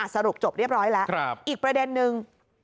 สรุปจบเรียบร้อยแล้วอีกประเด็นนึง